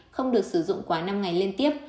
không được sử dụng quá năm ngày liên tiếp